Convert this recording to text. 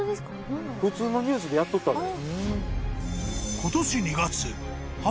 普通のニュースでやっとったで。